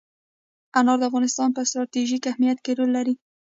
انار د افغانستان په ستراتیژیک اهمیت کې رول لري.